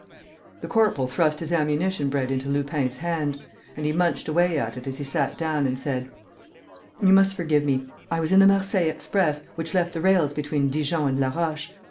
The corporal thrust his ammunition bread into Lupin's hand; and he munched away at it as he sat down and said: "You must forgive me. I was in the Marseilles express, which left the rails between Dijon and Laroche.